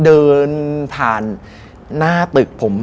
เดินผ่านหน้าตึกผม